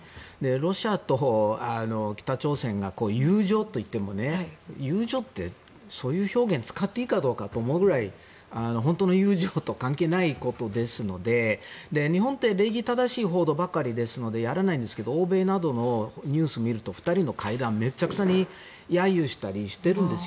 ロシアと北朝鮮が友情と言っても友情って、そういう表現を使っていいかと思うくらい本当の友情と関係ないことですので日本って礼儀正しい報道ばかりですのでやらないんですけど欧米などのニュースを見ると２人の会談をめちゃくちゃに揶揄したりしてるんです。